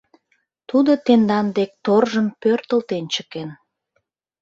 Тудо тендан дек торжым пӧртылтен чыкен.